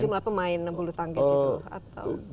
jumlah pemain bulu tangkis itu atau